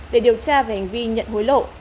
để điều tra về hành vi nhận hối lộ